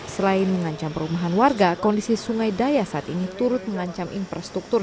selain mengancam perumahan warga kondisi sungai daya saat ini turut mengancam infrastruktur